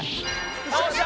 よっしゃ！